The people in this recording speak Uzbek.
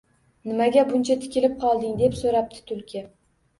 — Nimaga buncha tikilib qolding? — deb so‘rabdi Tulki